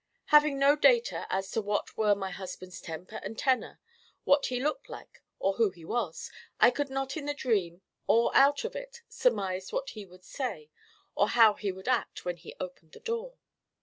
Having no data as to what were my husband's temper and tenor, what he looked like or who he was, I could not in the dream or out of it surmise what he would say or how he would act when he opened the door.